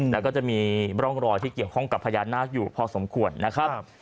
แล้วก็จะมีร่องรอยที่เกี่ยวข้องกับพญานาคอยู่พอสมควรนะครับ